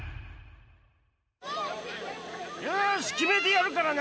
よーし、決めてやるからな。